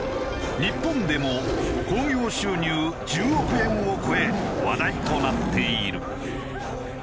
日本でも興行収入１０億円を超え話題となっている。